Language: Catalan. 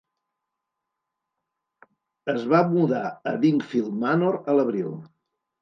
Es va mudar a Wingfield Manor a l'abril.